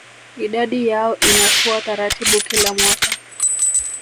Idadi yao inakuwa taratibu kila mwaka